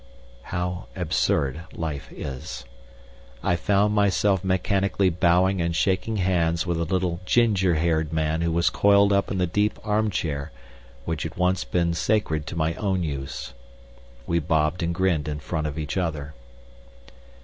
How absurd life is! I found myself mechanically bowing and shaking hands with a little ginger haired man who was coiled up in the deep arm chair which had once been sacred to my own use. We bobbed and grinned in front of each other.